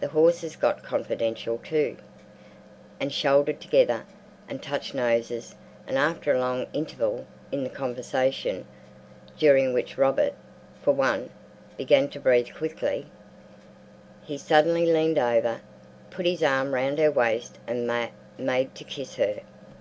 The horses got confidential, too, and shouldered together, and touched noses, and, after a long interval in the conversation, during which Robert, for one, began to breathe quickly, he suddenly leaned over, put his arm round her waist and made to kiss her.